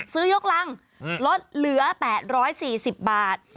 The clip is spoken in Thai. ซื้อยกรังลดเหลือ๘๔๐บาท